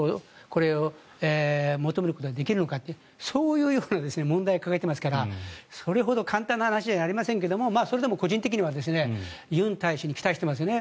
これを求めることができるのかというそういうような問題を抱えていますからそれほど簡単な話じゃありませんけどもそれでも個人的にはユン大使に期待していますね。